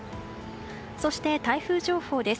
そして台風情報です。